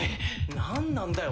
何なんだよ一体。